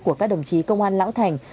của các đồng chí công an lão thành